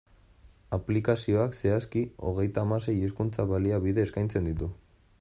Aplikazioak, zehazki, hogeita hamasei hizkuntza-baliabide eskaintzen ditu.